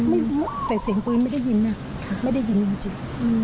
ไม่แต่เสียงปืนไม่ได้ยินนะไม่ได้ยินจริง